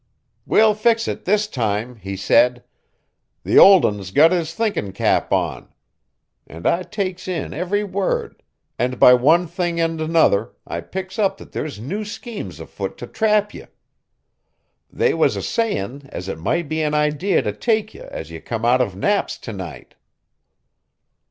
'We'll fix it this time,' he said; 'the Old Un's got his thinkin' cap on.' And I takes in every word, and by one thing and another I picks up that there's new schemes afoot to trap ye. They was a sayin' as it might be an idee to take ye as you come out of Knapp's to night."